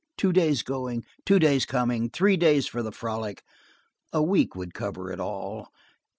Two days going, two days coming, three days for the frolic; a week would cover it all.